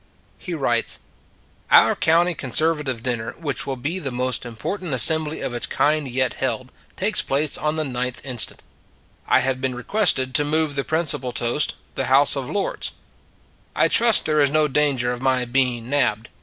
He writes: "Our county Conservative Dinner, which will be the most important assembly of its kind yet held, takes place on the 9th inst. I have been requested to move the Si 52 It s a Good Old World principal toast The House of Lords. I trust there is no danger of my being nabbed